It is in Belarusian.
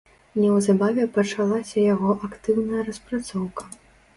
Неўзабаве пачалася яго актыўная распрацоўка.